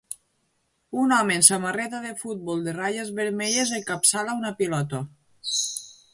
Un home amb samarreta de futbol de ratlles vermelles encapçala una pilota.